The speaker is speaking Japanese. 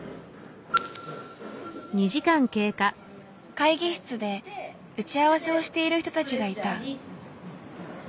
会議室で打ち合わせをしている人たちがいた。